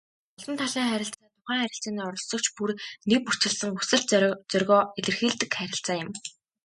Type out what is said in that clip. Олон талын харилцаа тухайн харилцааны оролцогч бүр нэгбүрчилсэн хүсэл зоригоо илэрхийлдэг харилцаа юм.